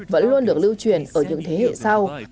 vẫn luôn được lưu truyền ở những thế hệ sau